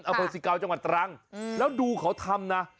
อำเภอสิเกาจังหวัดตรังแล้วดูเขาทำนะ